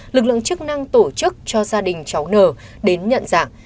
lực lượng chức năng tổ chức cho gia đình cháu n đến nhận dạng